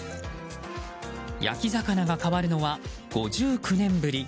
焼き魚が変わるのは５９年ぶり。